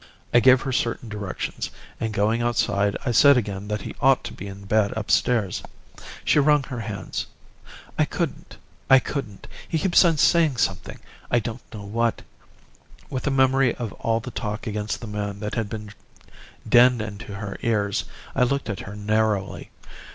"I gave her certain directions; and going outside, I said again that he ought to be in bed upstairs. She wrung her hands. 'I couldn't. I couldn't. He keeps on saying something I don't know what.' With the memory of all the talk against the man that had been dinned into her ears, I looked at her narrowly.